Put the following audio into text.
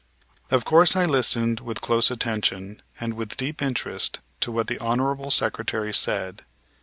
Of course I listened with close attention and with deep interest to what the honorable Secretary said.